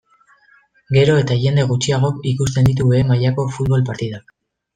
Gero eta jende gutxiagok ikusten ditu behe mailako futbol partidak.